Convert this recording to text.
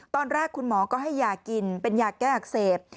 ตอนแรกคุณหมอก็ให้ยากินเป็นยาแก้อักเสบ